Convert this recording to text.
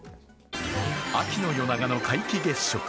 秋の夜長の皆既月食。